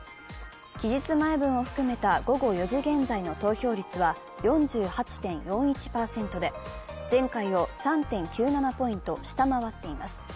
期日前分を含めた午後４時現在の投票率は４８．４１％で、前回を３．９７ポイント下回っています。